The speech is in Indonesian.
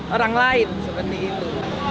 orang lain seperti itu